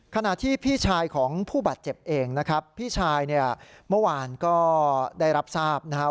ขณะที่พี่ชายของผู้บาดเจ็บเองนะครับพี่ชายเนี่ยเมื่อวานก็ได้รับทราบนะครับ